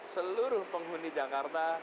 seluruh penghuni jakarta